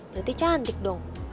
berarti cantik dong